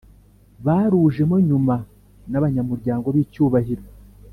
barujemo nyuma n abanyamuryango b icyubahiro